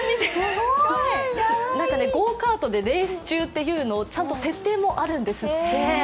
ゴーカートでレース中という設定もちゃんとあるんですって。